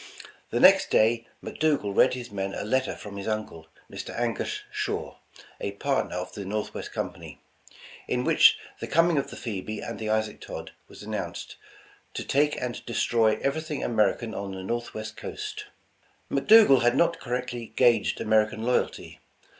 The next day McDougal read his men a letter from his uncle, Mr. Angus Shaw, a partner of the Northwest Company, in which the com ing of the Phoebe and the Isaac Todd was announced, "to take and destroy everything American on the Northwest coast. '' McDougal had not correctly guaged American loy alty.